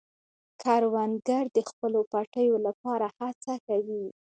کروندګر د خپلو پټیو لپاره هڅه کوي